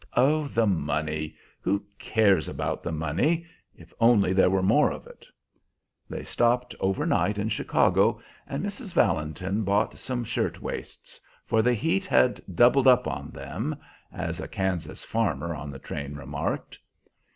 "Oh, the money! Who cares about the money? if only there were more of it." They stopped over night in Chicago, and Mrs. Valentin bought some shirt waists; for the heat had "doubled up on them," as a Kansas farmer on the train remarked.